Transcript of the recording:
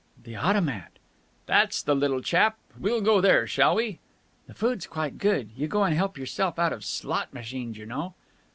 "The Automat?" "That's the little chap! We'll go there, shall we?" "The food's quite good. You go and help yourself out of slot machines, you know."